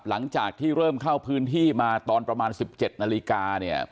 หลังจากที่เริ่มเข้าพื้นที่มาตอนประมาณ๑๗นาฬิกาเนี่ย